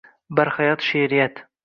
Barhayot she’riyat